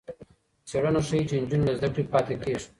څېړنه ښيي چې نجونې له زده کړې پاتې کېږي.